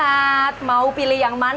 saya juga mencicipi kue bikang peneleh